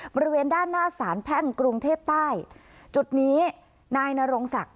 บริเวณด้านหน้าสารแพ่งกรุงเทพใต้จุดนี้นายนรงศักดิ